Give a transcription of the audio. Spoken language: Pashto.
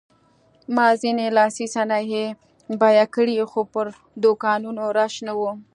ما ځینې لاسي صنایع بیه کړې خو پر دوکانونو رش نه و.